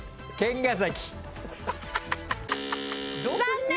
残念！